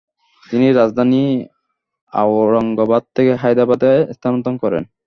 তিনি রাজধানী আওরঙ্গবাদ থেকে হায়দ্রাবাদে স্থানান্তর করেন।